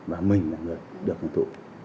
và mình là người được ủng hộ